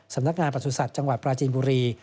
สำนักงานประสุทธิ์จังหวัดปราจีนบุรี